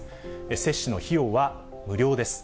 接種の費用は無料です。